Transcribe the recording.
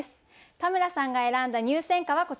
田村さんが選んだ入選歌はこちらです。